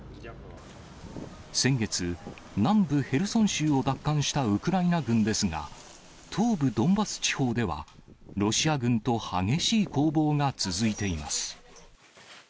先月、南部ヘルソン州を奪還したウクライナ軍ですが、東部ドンバス地方では、ロシア軍と激しい攻防が続いています。